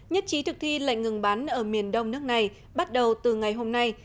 nhất trí thực thi lệnh ngừng bắn ở miền đông nước này bắt đầu từ ngày hôm nay